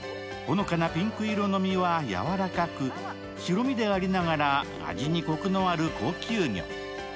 ほのかなピンク色の身は柔らかく白身でありながら味にコクのある高級魚。